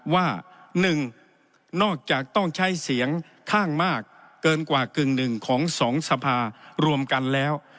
ว่า๑นอกจากต้องใช้เสียงข้างมากเกินกว่ากึ่งหนึ่งของ๒สภารวมกันแล้ว